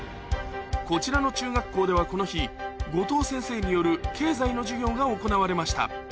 こちらの中学校ではこの日後藤先生による経済の授業が行われました